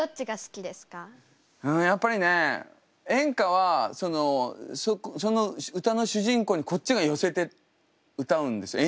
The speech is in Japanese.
やっぱりね演歌はその歌の主人公にこっちが寄せて歌うんですよ。